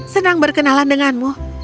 senang berkenalan denganmu